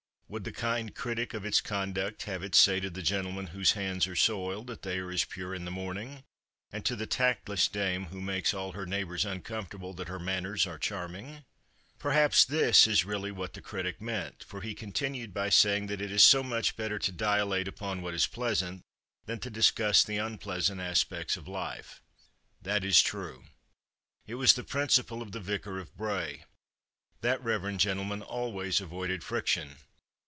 _ Would the kind critic of its conduct have it say to the gentleman whose hands are soiled that they are as pure as the morning, and to the tactless dame who makes all her neighbors uncomfortable that her manners are charming? Probably this is really what the critic meant, for he continued by saying that it is so much better to dilate upon what is pleasant than to discuss the unpleasant aspects of life. That is true. It was the principle of the Vicar of Bray. That reverend gentleman always avoided friction.